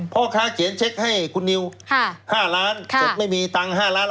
พ่อค้าเขียนเช็คให้คุณนิว๕ล้านเสร็จไม่มีตังค์๕ล้าน